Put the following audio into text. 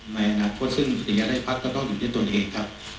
ในอนาคตซึ่งอุทยาราชภัทร์ก็ต้องอยู่ในตัวเองครับ